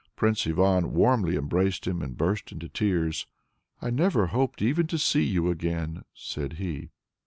Prince Ivan warmly embraced him and burst into tears. "I never hoped even to see you again," said he.